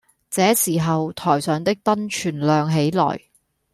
這時候台上的燈全亮起來